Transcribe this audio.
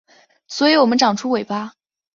所以我们长出尾巴